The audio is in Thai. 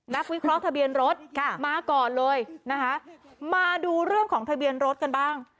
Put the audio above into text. วิเคราะห์ทะเบียนรถค่ะมาก่อนเลยนะคะมาดูเรื่องของทะเบียนรถกันบ้าง